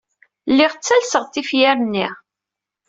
Lliɣ ttalseɣ-d tifyar-nni.